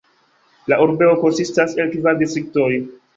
La urbego konsistas el kvar distriktoj.